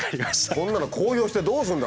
こんなの公表してどうするんだ？